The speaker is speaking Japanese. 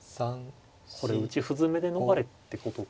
これ打ち歩詰めで逃れってことか。